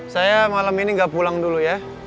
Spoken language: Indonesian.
saya malam ini nggak pulang dulu ya